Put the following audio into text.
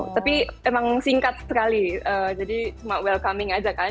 tapi emang singkat sekali jadi cuma welcoming aja kan